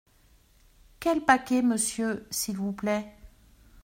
Quels paquets, monsieur, s’il vous plaît ?